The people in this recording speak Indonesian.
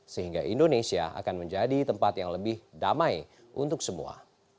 sehingga indonesia akan menjadi tempat yang lebih damai untuk semua